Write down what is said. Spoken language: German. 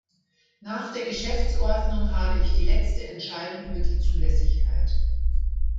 Nach der Geschäftsordnung habe ich die letzte Entscheidung über die Zulässigkeit.